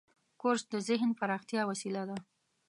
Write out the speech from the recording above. کورس د ذهني پراختیا وسیله ده.